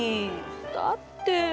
だって。